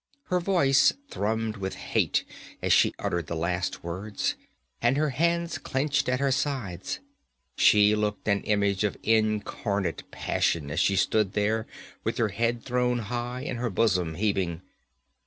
Her voice thrummed with hate as she uttered the last words, and her hands clenched at her sides. She looked an image of incarnate passion as she stood there with her head thrown high and her bosom heaving.